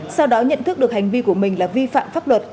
sau đó nhận thức được hành vi của mình là vi phạm pháp luật